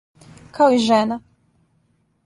Као и жена.